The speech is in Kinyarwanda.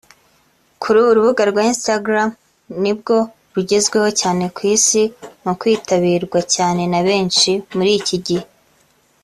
Kuri ubu urubuga rwa Instagram nibwo rugezweho cyane ku isi mu kwitabirwa cyane na benshi muri iki gihe